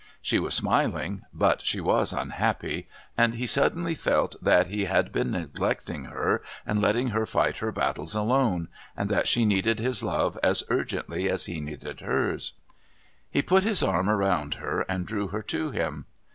She was smiling but she was unhappy, and he suddenly felt that he had been neglecting her and letting her fight her battles alone, and that she needed his love as urgently as he needed hers. He put his arm around her and drew her to him.